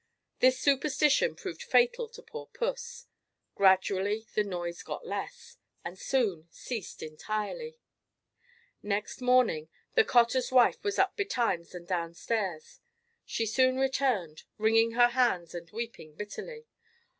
This superstition proved fatal to poor puss. Gradually the noise got less, and soon ceased entirely. Next morning, the cottar's wife was up betimes and downstairs. She soon returned, wringing her hands and weeping bitterly.